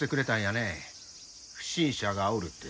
不審者がおるって。